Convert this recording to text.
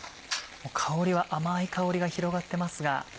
香りは甘い香りが広がってますが。